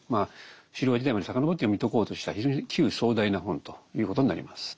狩猟時代まで遡って読み解こうとした非常に気宇壮大な本ということになります。